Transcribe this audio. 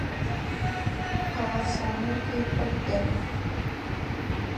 په افسانو کې پټ دی.